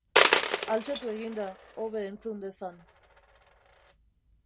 Altxatu egin da, hobe entzun dezan.